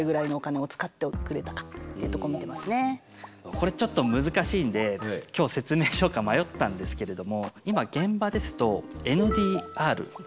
これちょっと難しいんで今日説明しようか迷ったんですけれども今現場ですとＮＤＲ売上継続率。